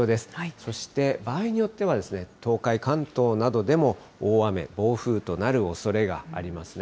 そして場合によっては東海、関東などでも大雨、暴風となるおそれがありますね。